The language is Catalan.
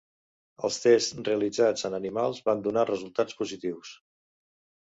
Els tests realitzats en animals van donar resultats positius.